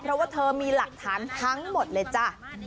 เพราะว่าเธอมีหลักฐานทั้งหมดเลยจ้ะ